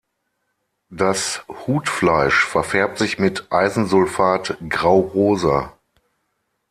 Das Hutfleisch verfärbt sich mit Eisensulfat graurosa.